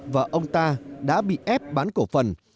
và ông ta đã bị ép bán cổ phần